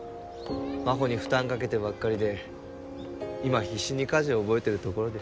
真帆に負担かけてばっかりで今必死に家事を覚えてるところです。